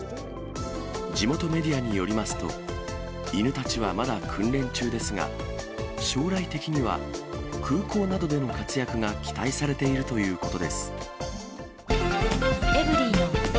地元メディアによりますと、犬たちはまだ訓練中ですが、将来的には空港などでの活躍が期待されているということです。